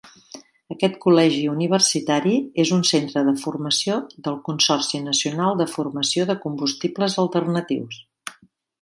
Aquest col·legi universitari és un centre de formació del Consorci Nacional de Formació de Combustibles Alternatius.